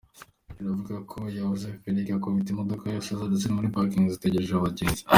Bavuga ko yabuze feri igakubita imodoka zose zari muri parking zitegereje abagenzi.